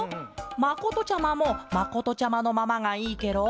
まことちゃまもまことちゃまのままがいいケロ？